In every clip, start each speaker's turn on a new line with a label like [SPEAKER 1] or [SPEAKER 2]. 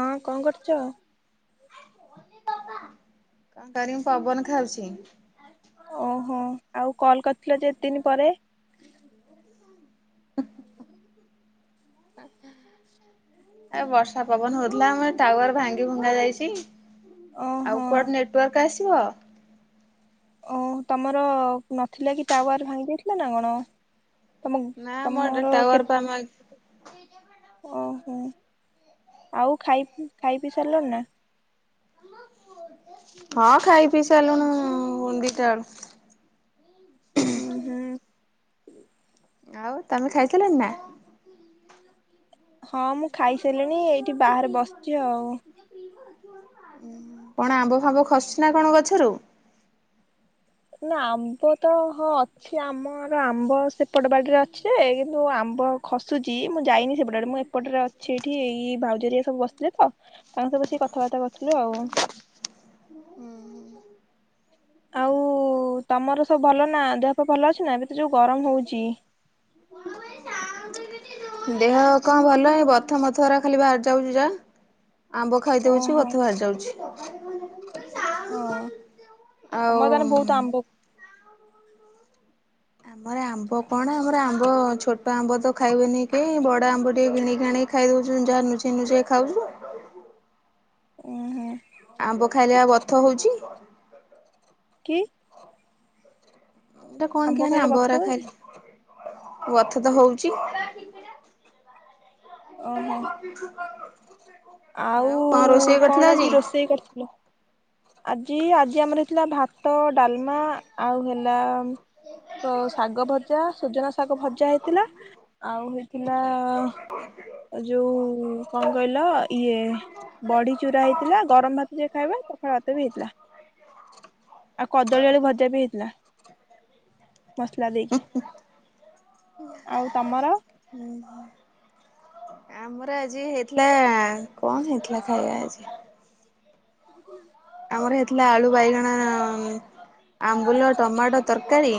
[SPEAKER 1] ହଁ କଣ କରୁଛ?
[SPEAKER 2] କଣ କରିବି ପବନ ଖାଉଛି।
[SPEAKER 1] ଆଥିଲ ଯେତିନି ପରେ।
[SPEAKER 2] ଏ ବର୍ଷା ପବନ ହଉଥିଲା ଆମେ ଟାୱାର ଭାଙ୍ଗି ଭୁଙ୍ଗା ଯାଇଛି। ଆଉ
[SPEAKER 1] ଓହୋ।
[SPEAKER 2] କୁଆଡ ନେଟୱାର୍କ ଆସି [unintelligible]
[SPEAKER 1] ଓ ତମର ନଥିଲା କି ଟାୱାର ଭାଙ୍ଗି ଦେଇାଇଥିଲା ନା କଣ? ତମ
[SPEAKER 2] ନା ମୋଟେ
[SPEAKER 1] ତମର କେ
[SPEAKER 2] ଟୱର ପା ମା
[SPEAKER 1] ହଁ ଆଉ ଖାଇ ଖାଇ ପିଇ ସାରିଲ ନା।
[SPEAKER 2] ହଁ ଖାଇ ପିଇ ସାରିଲୁଣି ଦିଟାବେଳୁ।
[SPEAKER 1] ଉ ହୁଁ।
[SPEAKER 2] ଆଉ ତମେ ଖାଇସାରିଲଣି ନା।
[SPEAKER 1] ହଁ ମୁଁ ଖାଇ ହେଲେଣି ଏଇଠି ବାହାରେ ବସିଛି ଆଉ।
[SPEAKER 2] କଣ ଆମ୍ବ ଫାମ୍ବ ଖସୁଛି ନା କଣ ଗଛରୁ।
[SPEAKER 1] ନା ଆମ୍ବ ତ ହଁ ଅଛି ଆମର ଆମ୍ବ ସେପଟ ବାଡ଼ିରେ ଅଛିଯେ କିନ୍ତୁ ଆମ୍ବ ଖସୁଚି ମୁଁ ଯାଇନି ସେପଟ ଆଡେ ମୁଁ ଏପଟରେ ଅଛି ଏଇଠି ଏଇ ଭାଉଜରିଆ ସବୁ ବସିଥିଲେ ତ ତାଙ୍କ ସ ବସିକି କଥାବାର୍ତ୍ତା କରୁଥୁଲୁ ଆଉ। ଆଉ ତମର ସବୁ ଭଲ ନା ଦେହପା ଭଲ ଅଛି ନା ଏବେ ତ ଯୋଉ ଗରମ ହଉଚି।
[SPEAKER 2] ଦେହ କଣ ଭଲ ବଥ ମଥରା ଖାଲି ଭାହାରି ଯାଉଚି ଯା। ଆମ୍ବ ଖାଇଦଉଚି
[SPEAKER 1] ଓହୋ
[SPEAKER 2] ବଥ ବାହାରି ଯାଉଛି। [unintelligible]
[SPEAKER 1] ହଁ ତମର ତାହେନେ ବହୁତ
[SPEAKER 2] ଆଉ
[SPEAKER 1] ଆମ୍ବ।
[SPEAKER 2] ଆମର ଆମ୍ବ କଣ ଆମର ଆମ୍ବ ଛୋଟ ଆମ୍ବ ତ ଖାଇବେନି କେହି ବଡ ଆମ୍ବ ଟିକେ କିଣି ଆଣିକି ଖାଇ ଦଉଛନ୍ତି ଯାହା ନୁଚେଇ ନୁଚାଇକି ଖାଉଚୁ।
[SPEAKER 1] ଉଁ ହୁଁ
[SPEAKER 2] ଆମ୍ବ ଖାଇଲେ ପା ବଥ ହଉଚି।
[SPEAKER 1] କି?
[SPEAKER 2] ଏଟା କଣ
[SPEAKER 1] ଆମ୍ବ
[SPEAKER 2] କେୟାଣି
[SPEAKER 1] ଖାଇଲେ ବଥା
[SPEAKER 2] ଆମ୍ବରା
[SPEAKER 1] ହୁଏ କି?
[SPEAKER 2] ଖାଇଲେ ବାଥ ତ ହଉଚି।
[SPEAKER 1] ଓହୋ
[SPEAKER 2] [inaudible]
[SPEAKER 1] ଆଉ କଣ ଆଜି ରୋଷେଇ କରିଥିଲ। ଆଜି ଆଜି ଆମର ହେଇଥିଲା ଭାତ ଡାଲମା ଆଉ ହେଲା ଶାଗ ଭଜା ସୁଜନା ଶାଗ ଭଜା ହେଇଥିଲା। ଆଉ ହେ ଥିଲା ଯଉ କଣ କହିଲ ଇଏ ବଡି ଚୁରା ହେଇଥିଲା ଗରମ ଭାତ ଯେ ଖାଇବ। ହଁ ଭାତ ବି ହେଇଥିଲା ଆଉ କଦଳୀ ଆଳୁ ଭଜା ବି ହେଇଥିଲା। ମସଲା ଦେଇକି ଆଉ ତମର?
[SPEAKER 2] ଆମର ଆଜି ହେଇଥିଲା କଣ ହେଇଥିଲା ଖାଇବା ଆଜି? ଆମର ହେଥିଲା ଆଳୁ ବାଇଗଣ ଆମ୍ବୁଲ ଟମାଟୋ ତରକାରୀ।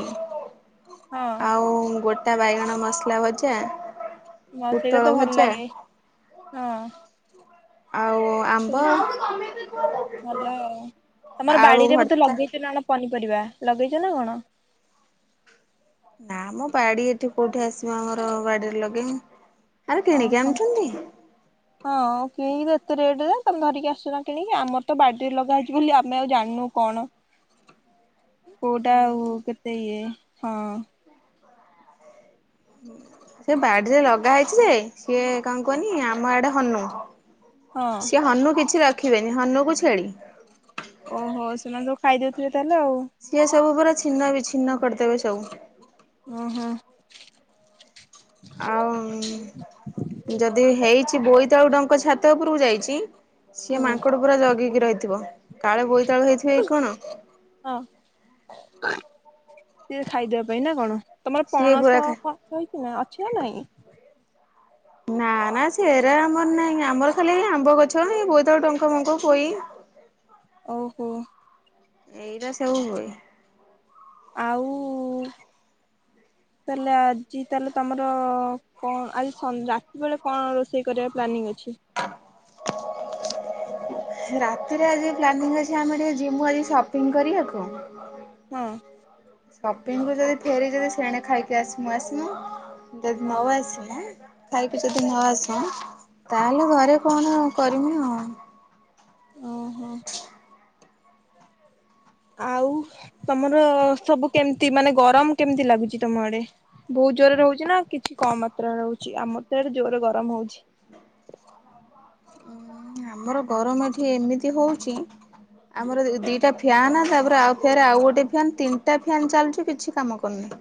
[SPEAKER 1] ହଁ
[SPEAKER 2] ଆଉ ଗୋ ଟା ବାଇଗଣ ମସଲା ଭଜା।
[SPEAKER 1] ହ ସେଇଟା
[SPEAKER 2] ପୋଟଳ
[SPEAKER 1] ତ ଭଲ
[SPEAKER 2] ଭଜା
[SPEAKER 1] ଲାଗେ ହଁ।
[SPEAKER 2] ଆଉ ଆମ୍ବ
[SPEAKER 1] ହୁଁ ଭଲ ଆଉ ତମର
[SPEAKER 2] ଆଳୁ
[SPEAKER 1] ବାଡିରେ ବୋଧେ
[SPEAKER 2] ଭର୍ତ୍ତା
[SPEAKER 1] ଲଗେଇଚ ନା ପନି ପାରିବା ଲଗେଇଚ ନା କଣ?
[SPEAKER 2] ନା ମ ବାଡି ଏଠି କୋଉଠି ଆସିବା ଆମର ବାଡିରେ ଲଗେଇ ମୁଁ
[SPEAKER 1] ଓହୋ ହଁ କିଣିକି ଏତେ ରେଟ ରେ। ତମେ ଧରିକି ଆସୁନ କିଣିକି ଆମର ତ ବାଡିରେ ଲଗା ହେଇଚି ବୋଲି ଆମେ ଆଉ ଜାଣିନୁ କଣ? କୋଉଟା ଆଉ କେତେ ଇଏ ହଁ।
[SPEAKER 2] ସେ ବାଡିରେ ଲଗା ହେଇଚି ଯେ ସିଏ କଣ କୁହନି ଆମ ଆଡେ ହନୁ।
[SPEAKER 1] ହଁ
[SPEAKER 2] ସେ ହନୁ କିଛି ର ରଖିବେନି ହନୁକୁ ଛେଳି।
[SPEAKER 1] ଓହୋ ସେମାନେ ଯୋଉ ଖାଇଦଉଥିବେ ତାହେଲେ ଆଉ।
[SPEAKER 2] ସିଏ ସବୁ ପୁରା ଛିନ୍ନ ବିଛିନ୍ନ କରିଦେବେ ସବୁ।
[SPEAKER 1] ଓ ହୋ।
[SPEAKER 2] ଆଉ ଯଦି ହେଇଛି କି ବୋଇତାଳୁ ଡଙ୍କ ଛାତ ଉପରକୁ ଯାଇଛି ସିଏ
[SPEAKER 1] ହୁଁ
[SPEAKER 2] ମାଙ୍କଡ ପୁରା ଜଗିକି ରହିଥିବ। କାଳେ ବୋଇତାଳୁ ହେଇଥିବ ଏ କଣ?
[SPEAKER 1] ସେଏ ଖାଇଦବା ପାଇଁ ନା କଣ? ତମର
[SPEAKER 2] ସିଏ ପୁରା
[SPEAKER 1] ପଣସ
[SPEAKER 2] ଖା
[SPEAKER 1] ପଣସ ହେଇଛି ନାଇଁ ଅଛି ନା ନାଇଁ।
[SPEAKER 2] ନା ନା ସେହରା ଆମର ନାହିଁ ଆମର ଖାଲି ଆମ୍ବ ଗଛ ଏ ବୋଇତାଳୁ ଡଙ୍କ ଫଙ୍କ ପୋଇ
[SPEAKER 1] ଓହୋ।
[SPEAKER 2] ଏଇଟା ସବୁ ହୁଏ।
[SPEAKER 1] ଆଉ ତାହେଲେ ଆଜି ତାହେଲେ ତମର କଣ ଆଜି ରାତି ବେଳେ କଣ ରୋଷେଇ କରିବା ପ୍ଲାନିଂ ଅଛି?
[SPEAKER 2] ରାତିରେ ଆଜି ପ୍ଲାନି ଅଛି ଆମେ ଟିକେ ଜିମୁ ଆଜି ସପିଂ କରିବାକୁ।
[SPEAKER 1] ହଁ।
[SPEAKER 2] ସପିଙ୍ଗୁ ଯଦି ଫେରି ଯଦି ସେଣେ ଖାଇକି ଆସ ମୁୁ ଆସମୁ। ଯଦି
[SPEAKER 1] ଓ
[SPEAKER 2] ନ ଆସିମୁ ଖାଇକି ଯଦି ନ ଆସଉ ତାହେଲେ ଘରେ କଣ କରିମି ଆଉ।
[SPEAKER 1] ଓହୋ
[SPEAKER 2] [inaudible]
[SPEAKER 1] ଆଉ ତମର ସବୁ କେମତି ମାନେ ଗରମ କେମିତି ଲାଗୁଛି ତମ ଆଡେ? ବହୁତ ଜୋରରେ ରହୁଛି ନା କିଛି କମ ମାତ୍ରାରେ ରହୁଛି ଆମର ତ ଏଡେ ଜୋରରେ ଗରମ ହଉଛି।
[SPEAKER 2] ଆମର ଗରମ ଏଠି ଏମିତି ହଉଛି ଆମର ଦିଟା ଫ୍ୟାନ ତାପରେ ଆଉ ଫେରେ ଆଉ ଗୋଟେ ଫାନ ତିନିଟା ଫାନ ଚାଲୁଛି କିଛି କାମ କରୁନି।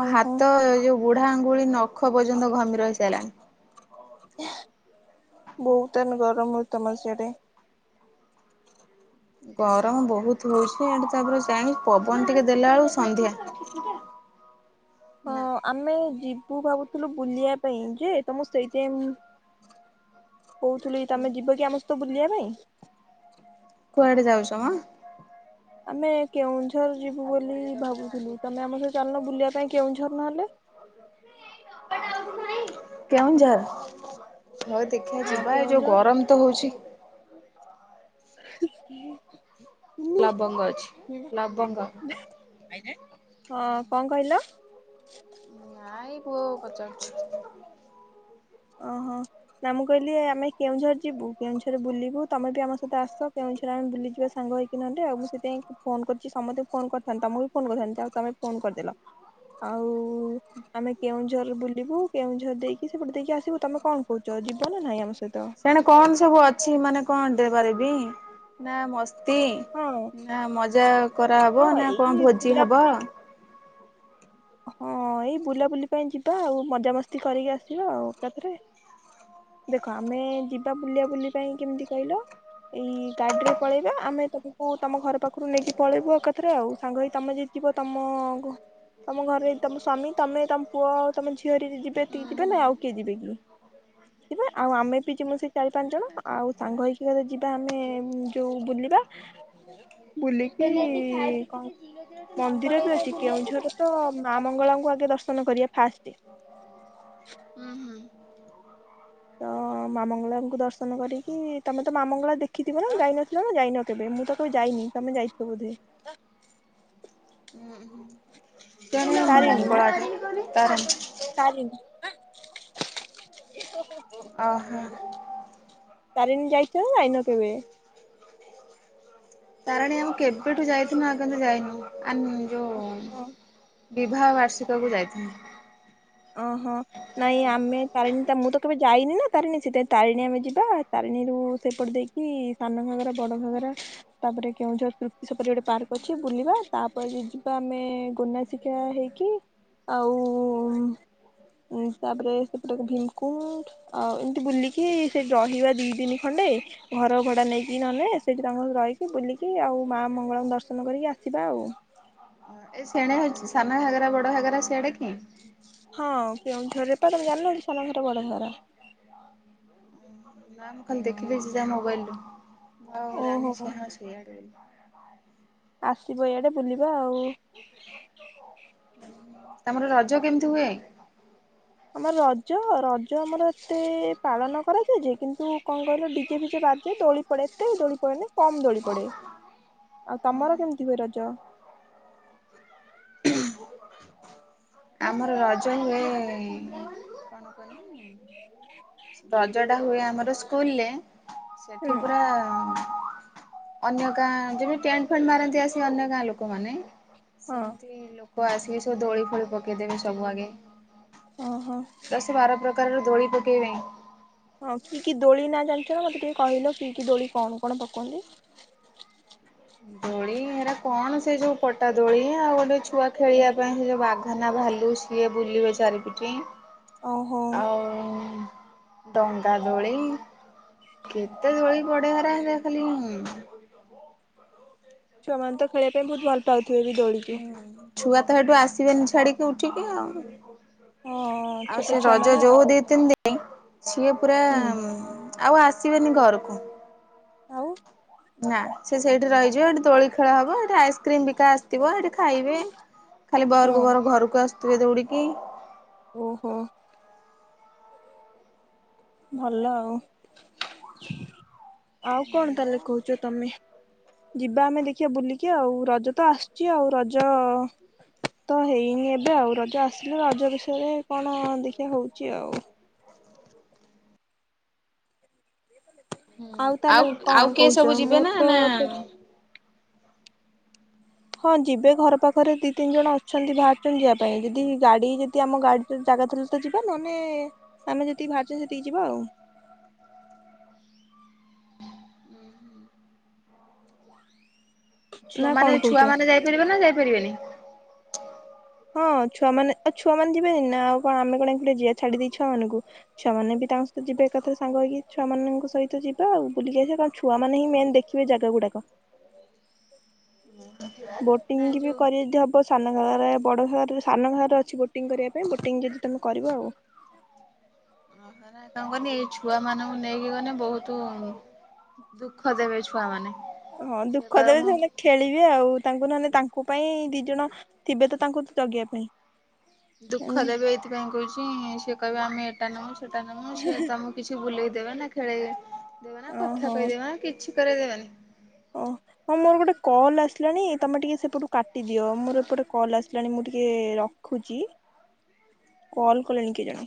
[SPEAKER 2] ମୋ
[SPEAKER 1] ଓହୋ
[SPEAKER 2] ହାତ ଯୋଉଡ ବୁଢା ଆଙ୍ଗୁଳି ନଖ ପର୍ଯ୍ୟନ୍ତ ଘମିର ହେଇସାରିଲାଣି।
[SPEAKER 1] [inaudible] ବହୁତ ଟାଇମ୍ ଗରମ ଅଛି। ତମଲ ସେଟେ
[SPEAKER 2] ଗରମ ବହୁତ ହଉଛି ଏଠି ତାପରେ ଜା ପବନ ଟିକେ ଦେଲା ବେଳକୁ ସନ୍ଧ୍ୟା।
[SPEAKER 1] ହଁ
[SPEAKER 2] ନା
[SPEAKER 1] ଆମେ ଜି ତୁ ଭାବୁଥିଲୁ ବୁଲିବା ପାଇଁ ଯେ ତମ ସେଇଥି କହୁଥିଲୁ ତମେ ଯିବ କି ଆମସ୍ତ ବୁଲିଆ ପାଇଁ ।
[SPEAKER 2] କୁଆଡେ ଯାଉଛ ଆଁ?
[SPEAKER 1] ଆମେ କେଉଁଝର ଯିବୁ ବୋଲି ଭାବୁଥିଲୁ। ତମେ ଆମ ସହି ଚାଲନ ବୁଲିବା ପାଇଁ କେଉଁଝର ନହେଲେ।
[SPEAKER 2] କେଉଁଝର? ହଁ ଦେଖିବାଆ
[SPEAKER 1] ହଁ
[SPEAKER 2] ଯିବା ଏ ଯୋଉ
[SPEAKER 1] କେଉଁଝର
[SPEAKER 2] ଗରମ ତ ହଉଛି।
[SPEAKER 1] ହଁ।
[SPEAKER 2] ଲବଙ୍ଗ ଅଛି ଲବଙ୍ଗ।
[SPEAKER 1] ହଁ କଣ କହିଲ? [inaudible]
[SPEAKER 2] ଭାଇ ପୁଅ ପଚା
[SPEAKER 1] ଓହୋ ନା ମୁଁ କହିଲି ଆମେ କେଉଁଝର ଯିବୁ କେଉଁଝର ବୁଲିବୁ ତମେ ବି ଆମ ସେତ ଆସ କେଉଁଝର ଆମେବୁଲିଯିବା ସାଙ୍ଗ ହୋଇକି ନହେ ଆକୁ ସେଥିପାଇଁ ଫୋନ କରିୁଛି ସମସ୍ତେ ଫୋନ କରିଥାନ୍ତି ତମ ବି ଫୋ କରିଥାନ୍ତି ଆଉ ତମେ ଫୋନ କରିଦେଲ ଆଉ ଆମେ କେଉଁଝ ଝର ବୁଲିବୁ କେଉଁ ଝର ଦେଇକି ସେପଟେକ ଆସ ତମେ କଣ କହୁଛ ଯିବ ନାଇଁ ଆମ ସ
[SPEAKER 2] ସେଣେ କଣ ସବୁ ଅଛି ମାନେ କଣ ଦେବା ଦେବୀ ନା ମ ଇତି
[SPEAKER 1] ହଁ
[SPEAKER 2] ନା ମଜା କରାହବ
[SPEAKER 1] ହଁ
[SPEAKER 2] ନା କଣ
[SPEAKER 1] ଏଇ
[SPEAKER 2] ଭୋଜି ହବ?
[SPEAKER 1] ବୁଲାବୁଲି ହଁ ଏଇ ବୁଲାବୁଲି ପାଇଁ ଯିବା ଆଉ ମଜାମସ୍ତି କରିକି ଆସିବା ଆଉ ଏକାଥରେ ଦେଖ ଆମେ ଯିବା ବୁଲିିବା ବୁଲି ପାଇଁ କେମିତି କହିଲ ଏଇ ଗାଡିରେ ପଳେଇବା ଆମେ ତମକୁ ତମ ଘର ପାଖରୁ ନେଇକି ପଳେଇବୁ ଏକାଥରେ ଆଉ ସାଙ୍ଗ ହେଇ ତମେ ଯଦି ଯିବ ତମ ତମ ଘରେ ତମ ସ୍ୱାମୀ ତମେ ତମ ପୁଅ ତମେ ଝିଅ ହେରିକା ଯଦି ଯିବେ ଏତିକି ଯିବେ ନା ଆଉ କିଏ ଯିବେ କି ଯିବା ଆଉ ଆମେ ବି ଯିମୁ ସେଇ ଚାରି ପାଞ୍ଚ ଜଣ ଆଉ ସାଙ୍ଗ ହେଇକିନା ତ ଯିବା ଆମେ ଯୋଉ ବୁଲିବା ବୁଲିକି କଣ ମନ୍ଦିର ବି ଅଛି କେଉଁଝର ତ ମା ମଙ୍ଗଳାଙ୍କୁ ଆଗେ ଦର୍ଶନ କରିବା ଫାଷ୍ଟ ତ ମା ମଙ୍ଗଳାଙ୍କୁ ଦର୍ଶନ ନ କରିକି ତମେ ତ ମଙ୍ଗଳା ଦେଖିଥିବ ନା ଯାଇନଥିଲ ନା ଯାଇନ କେବେ ମୁଁ ତ କେବେ ଯାଇନି ତମେ ଯାଇଥିବ ବୋଧେ
[SPEAKER 2] କେଜାଣି
[SPEAKER 1] ତାରିଣୀ ମ
[SPEAKER 2] ମଙ୍ଗଳା ଯୋଉ ତାର
[SPEAKER 1] ତାରିଣୀ। [unintelligible]
[SPEAKER 2] ଓହୋ।
[SPEAKER 1] ତାରିଣୀ ଯାଇଛ ନା ଯାଇନ କେବେ?
[SPEAKER 2] ତାରିଣୀ ଆମେ କେବେଠୁ ଯାଇଥିଲୁ ଆଉ କିନ୍ତୁ ଯାଇନି। ଆନି ଯୋଉ ବିବାହ ବାର୍ଷିକକୁ ଯାଇଥିଲି।
[SPEAKER 1] ଓହୋ ନାଇଁ ଆମେ ତାରିଣୀ ତା ମୁଁ ତ କେବେ ଯାଇନି ନା ତାରିଣୀ ସେଥିପାଇଁ ତାରିଣୀ ଆମେ ଯିବା ତାରିଣୀରୁ ସେପଟେ ଦେଇକି ସାନ ଘାଗରା ବଡ଼ ଘାଗରା ତାପରେ କେଉଁଝର ତୃପ୍ତି ସେପଟେ ଗୋଟେ ପାର୍କ ଅଛି ବୁଲିବା ତାପରେ ଯିବା ଆମେ ଗୋନାସିକା ହେଇକି ଆଉ ଉ ତାପରେ ସେପଟେ ଭୀମକୁଣ୍ଡ ଆଉ ଏମିତି ବୁଲିକି ସେଠି ରହିବା ଦି ଦିନ ଖଣ୍ଡେ ଘର ଭଡା ନେଇକି ନହେଲେ ସେଠି ତାଙ୍କ ସ ରହିକି ବୁଲିକି ଆଉ ମା ମଙ୍ଗଳାଙ୍କୁ ଦର୍ଶନ କରିକି ଆସିବା ଆଉ ।
[SPEAKER 2] ଏଇ ସେଣେ ହଉଛି ସାନ ଘାଗରା ବଡ ଘାଗରା ସିଆଡେ କି?
[SPEAKER 1] ହଁ କେଉଁଝରରେ ପା ତମେ ଜାଣିନ କି ସାନ ଘାଗରା ବଡ ଘାଗରା।
[SPEAKER 2] ନାଁ ମୁଁ ଖାଲି ଦେଖି ଦେଇଛି ଯାହା ମୋବାଇଲ୍ ରେ ହଉ ମୁଁ ଜାଣିନି
[SPEAKER 1] ଓହୋ
[SPEAKER 2] ସେସବୁ ସିଆଡେ ବୋଲି।
[SPEAKER 1] ଆସିବ ଏଇଆଡେ ବୁଲିବା ଆଉ।
[SPEAKER 2] ତମର ରଜ କେମିତି ହୁଏ?
[SPEAKER 1] ଆମର ରଜ ରଜ ଆମର ଏତେ ପାଳନ କରାଯାଏ ଯେ କିନ୍ତୁ କଣ କହିଲ କି କିଛି ରାଜ ଦୋଳି ପଡେ ଏତେ ଦୋଳି ପଡେନି କମ ଦୋଳି ପଡେ ଆଉ ତମର କେମିତି ହୁଏ ରଜ। [inaudible]
[SPEAKER 2] [inaudible] ଆମର ରଜ ହୁଏ ରଜଟା ହୁଏ [unintelligible] ସେଠି
[SPEAKER 1] ହୁଁ।
[SPEAKER 2] ପୁରା ଅନ୍ୟ ଗାଁ ଯଦି ଟେଣ୍ଟ ଫେଣ୍ଟ ମାରନ୍ତି ଆସି ଅନ୍ୟ ଗାଁ ଲୋକମାନେ
[SPEAKER 1] ହଁ
[SPEAKER 2] ସେମିତି ଲୋକ କ ଆସିକି ସବୁ ଦୋଳି ଫୋଳି ପକେଇଦେବି ସବୁ ଆଗେ
[SPEAKER 1] ଓହୋ।
[SPEAKER 2] [inaudible] ଦଶ ବାର ପ୍ର ତାହେଲେ ଦୋଳି [unintelligible]
[SPEAKER 1] ହଁ କି କି ଦୋଳି ନା ଜାଣିଛ ନା ମତେ ଟିକେ କହିଲ କି କି ଦୋଳି କଣ କଣ ପକୁଅନ୍ତି। [inaudible]
[SPEAKER 2] ଦୋଳି ହେରା କଣ ସେ ସବୁ ପଟା ଦୋଳି ଆଉ ଗୋଟେ ଛୁଆ ଖେଳିବା ପାଇଁ ସେ ଯୋଉ ବା କାହିଁକିନା ଭାଲୁ ସିଏ ବୁଲିବେ ଚାରିପଟେ
[SPEAKER 1] ଓ ହୋ।
[SPEAKER 2] ଡଙ୍ଗା ଦୋଳି କେତେ ଦୋଳି ପଡେହେରା ହେରିଖାଲିି
[SPEAKER 1] ଛୁଆମାନ ତ ଖେଳିବା ପାଇଁ ବହୁତ ଭଲ ପାଉ ଖେଳି ଦୋଳିକି
[SPEAKER 2] ଛୁଆ ତ ହେଟୁ ଆସିବେନି ଛାଡିକି ଉଠିକି ଆଉ।
[SPEAKER 1] ହଁ
[SPEAKER 2] [inaudible] ଆଉ
[SPEAKER 1] ଛୋଟ
[SPEAKER 2] ସେ
[SPEAKER 1] ଛୁଆ
[SPEAKER 2] ରଜ
[SPEAKER 1] ମାନେ ତ
[SPEAKER 2] ଯୋଉ ଦି ତିନି ଦିନି ସିଏ ପୁରା
[SPEAKER 1] ହୁଁ
[SPEAKER 2] ଆଉ ଆସିବେନି ଘରକୁ।
[SPEAKER 1] ଆଉ
[SPEAKER 2] ନା ସେ ସେଇଠି ରହିଯିବ ଏଠି ଦୋଳି ଖେଳ ହବ ଏଠି ଆଇସ୍କ୍ରିମ ବିକା ଆସିଥିବ ଏଠି ଖାଇବେ। ଖାଲି
[SPEAKER 1] ହଁ
[SPEAKER 2] ବହରକୁ ବହର ଘରକୁ ଆସୁ ଯିବେ ଦୌଡିକି
[SPEAKER 1] ଓହୋ। ଭଲ ଆଉ [inaudible] ଆଉ କଣ
[SPEAKER 2] ଏଇଆ
[SPEAKER 1] ତାହେଲେ କହୁଛ ତମେ ଯିବା ଆମେ ଦେଖିବା ବୁଲିକି ଆଉ ରଜ ତ ଆସୁଛି। ଆଉ ରଜ ତ ହେଇନି ଏବେ ଆଉ ରଜ ଆସିଲେ ରଜ ବିଷୟରେ କଣ ଦେଖିବା ହଉଛି ଆଉ। ତାହେଲେ
[SPEAKER 2] ଆଉ ଆଉ
[SPEAKER 1] କଣ
[SPEAKER 2] କିଏ
[SPEAKER 1] କହୁଛ
[SPEAKER 2] ସବୁ ଯିବେ
[SPEAKER 1] ମୁଁ
[SPEAKER 2] ନା
[SPEAKER 1] ତ
[SPEAKER 2] ନା
[SPEAKER 1] ଏପଟେ ହଁ ଯିବେ ଘର ପାଖରେ ଦି ତିନି ଜଣ ଅଛନ୍ତି। ବାହାରୁଛନ୍ତିଛନ୍ତି ଯିବା ପାଇଁ ଯଦି ଗାଡି ଯଦି ଆମ ଗାଡି ଜାଗା ଥିଲେ ତ ଯିବା। ନହେଲେ ଆମେ ଯେତିକି ବାହାରୁଛ ସେତିକି ଯିବା ଆଉ। [inaudible]
[SPEAKER 2] ଛୁଆ
[SPEAKER 1] ନା କଣ
[SPEAKER 2] ମାନେ ଛୁଆ
[SPEAKER 1] କହୁଛ
[SPEAKER 2] ମାନେ ଯାଇପାରିବେ ନା ଯାଇପାରିବେନି।
[SPEAKER 1] ହଁ ଛୁଆମାନେ ଆଉ ଛୁଆ ମାନ ଯିବେନି ନା ଆଉ କଣ ଆମେ କଣ ଗୋଟେ ଯିବା। ଛାଡିଦେଇ ଛୁଆମାନାନଙ୍କୁ ଛୁଆମାନେେ ବି ତାଙ୍କ ସହିତ ଯିବେ ଏକଥା ସାଙ୍ଗ ହେଇକି ଛୁଆମାନାନଙ୍କ ସହିତ ଯିବା। ଆଉ ବୁଲିକି ଆସିବା କଣ ଛୁଆ ମ ହିଁ ମେନ୍ ଦେଖିବେ ଜାଗା ଗୁଡାକ।
[SPEAKER 2] ନା
[SPEAKER 1] ବୋଟିଂ
[SPEAKER 2] ଏ
[SPEAKER 1] ବି
[SPEAKER 2] ଯୋଉ
[SPEAKER 1] କରି ଯଦି ହବ ସାନ ଘାଗରା ବଡ ଘଗରା ସାନ ଘାଗରାରେ ଅଛି ବୋଟିଂ କରିବା ପାଇଁ। ବୋଟିଂ ଯଦି ତମେ କରିବ ଆଉ।
[SPEAKER 2] କଣ କନି ଏଇ ଛୁଆ ମାନଙ୍କୁ ନେଇକି ଗଲେ। ବହୁତ ଦୁଃଖ ଦେବେ ଛୁଆ ମାନେ
[SPEAKER 1] ହଁ
[SPEAKER 2] ସିଏ
[SPEAKER 1] ଦୁଃଖ
[SPEAKER 2] କହିବେ
[SPEAKER 1] ଦେବ
[SPEAKER 2] ମୁଁ
[SPEAKER 1] ସେମାନେ ଖେଳିବେ ଆଉ ତାଙ୍କ ନହଲେ ତାଙ୍କ ପାଇଁ ଦି ଜଣ ଥିବେ ତ ତାଙ୍କୁ ଜଗିବାଇ ପାଇଁ।
[SPEAKER 2] ଦୁଃଖ
[SPEAKER 1] ଏମିତି
[SPEAKER 2] ଦେବ ଏଇଥିପାଇଁ କହୁଚି ସେ ବି ଆମେ ଏଟା ନ ସେଟା ନ ମୁଁ ସିଏ ତ ମୁଁ କିଛି ବୁଲେଇ ଦେବେ ନା ଖେଳେ ଦେବ ନା
[SPEAKER 1] ଓହୋ
[SPEAKER 2] କଥା କହିଦେବ ନା କିଛି କରେଇ ଦେବେନି।
[SPEAKER 1] ଓ ହଁ ମୋର ଗୋଟେ କଲ୍ ଆସିଲାଣି ତମେ ଟିକେ ସେପଟୁ କାଟି ଟି ଦି ମୋର ଏପଟେ କଲ୍ ଆସି ହେଲାଣି ମୁଁ ଟିକେ ରଖୁଚି। [inaudible] କଲ୍ କଲେଣି କିଏ ଜଣେ।